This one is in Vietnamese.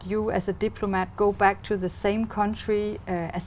còn về hình thức và năng lực của quốc gia